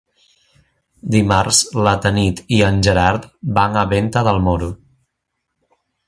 Dimarts na Tanit i en Gerard van a Venta del Moro.